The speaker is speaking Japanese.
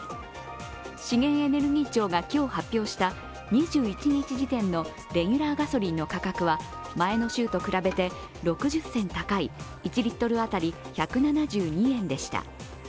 資源エネルギー庁が今日発表した２１日時点のレギュラーガソリンの価格は前の週と比べて６０銭高い１リットル当たり１７２円でした。